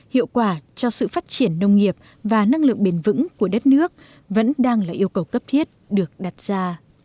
hiệu quả cho sự phát triển nông nghiệp và năng lượng bền vững của đất nước vẫn đang là yêu cầu cấp thiết được đặt ra